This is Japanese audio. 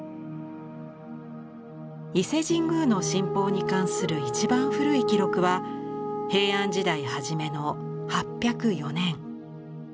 伊勢神宮の「神宝」に関する一番古い記録は平安時代初めの８０４年。